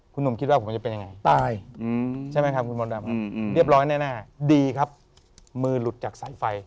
คุณหนุ่มคิดว่าผมจะเป็นยังไงตายใช่ไหมครับคุณมดดำครับเรียบร้อยแน่ดีครับมือหลุดจากสายไฟ